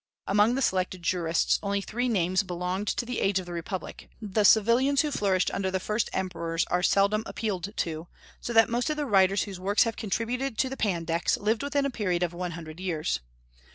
Among the selected jurists only three names belonged to the age of the republic, the civilians who flourished under the first emperors are seldom appealed to; so that most of the writers whose works have contributed to the Pandects lived within a period of one hundred years.